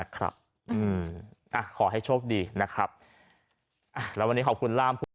ขอให้โชคดีนะครับแล้ววันนี้ขอบคุณล่าม